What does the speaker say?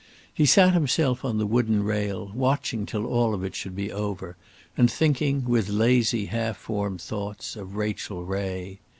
He sat himself on the wooden rail, watching till all of it should be over, and thinking, with lazy half formed thoughts, of Rachel Ray.